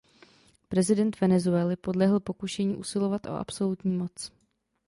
Prezident Venezuely podlehl pokušení usilovat o absolutní moc.